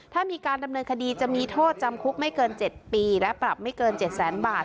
ถ้ามีการดำเนินคดีจะมีโทษจำคุกไม่เกิน๗ปีและปรับไม่เกิน๗แสนบาท